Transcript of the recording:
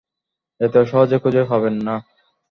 এত সহজে খুঁজে পাবেন না।